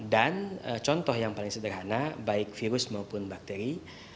dan contoh yang paling sederhana baik virus maupun bakteri